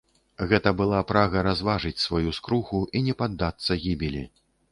Гэта была прага разважыць сваю скруху і не паддацца гібелі.